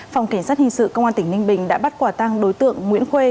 phòng cảnh sát hình sự công an tỉnh ninh bình đã bắt quả tăng đối tượng nguyễn khuê